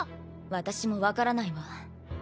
私も分からないわ。